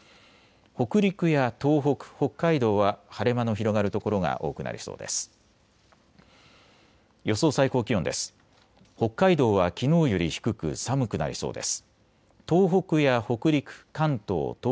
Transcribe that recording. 北陸や東北、北海道は晴れ間の広がる所が多くなりそうです。